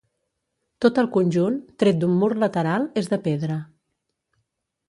Tot el conjunt, tret d'un mur lateral, és de pedra.